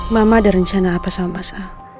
mama ada rencana apa sama masa